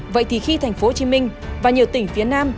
vậy thì khi thành phố hồ chí minh và nhiều tỉnh phía nam